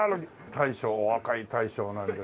大将お若い大将なんで。